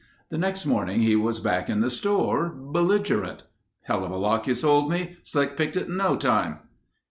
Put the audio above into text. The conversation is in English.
The next morning he was back in the store, belligerent. "Helluva lock you sold me. Slick picked it in no time."